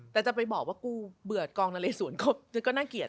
แต่จะไปบอกว่ากูเบื่อกองนะเลสวนก็น่าเกลียด